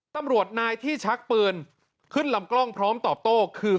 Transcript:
ตำรวจนายที่ชักปืนขึ้นลำกล้องพร้อมตอบโต้คือ